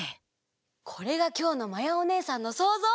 これがきょうのまやおねえさんのそうぞう。